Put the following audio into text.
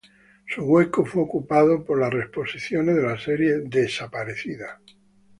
Su hueco fue ocupado por las reposiciones de la serie "Desaparecida".